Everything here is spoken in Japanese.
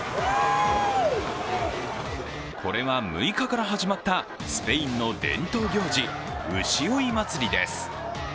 これは６日から始まったスペインの伝統行事牛追い祭りです。